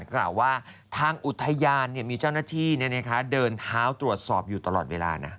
กล่าวว่าทางอุทยานมีเจ้าหน้าที่เดินเท้าตรวจสอบอยู่ตลอดเวลานะ